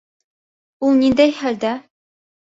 Ул ниндәй хәлдә?